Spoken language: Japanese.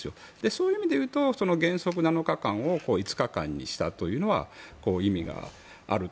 そういう意味で言うと原則７日間を５日間にしたというのは意味がある。